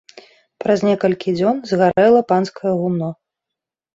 Праз некалькі дзён згарэла панскае гумно.